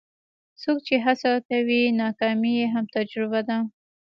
څوک چې هڅه کوي، ناکامي یې هم تجربه ده.